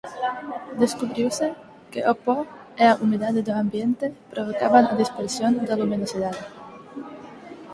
Descubriuse que o po e a humidade do ambiente provocaban a dispersión da luminosidade.